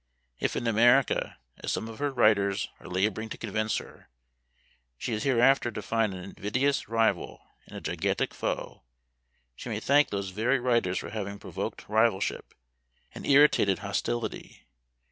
If in America, as some of her writers are laboring to convince her, she is hereafter to find an invidious rival, and a gigantic foe, she may thank those very writers for having provoked rivalship, and irritated hostility.